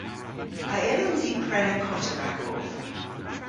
A yllons i prena kota ragov?